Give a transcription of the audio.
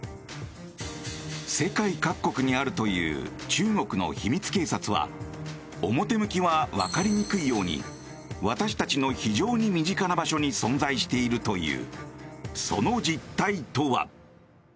世界各国にあるという中国の秘密警察は表向きは、分かりにくいように私たちの非常に身近な場所に存在しているという。